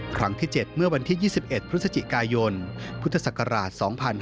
ครั้งที่๗เมื่อวันที่๒๑พฤศจิกายนพุทธศักราช๒๕๕๙